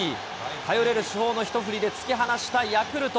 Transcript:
頼れる主砲の一振りで突き放したヤクルト。